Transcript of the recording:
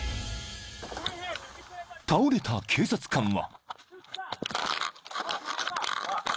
［倒れた警察官は］